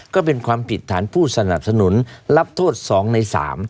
ก็เป็นความผิดฐานผู้สนับสนุนรับโทษ๒ใน๓